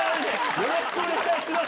よろしくお願いします。